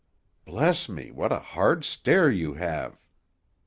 Bless me, what a hard stair you have!"